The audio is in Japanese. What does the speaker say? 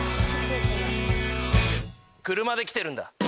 車で来てるんだ。